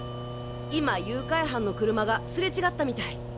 今誘拐犯の車がすれ違ったみたい。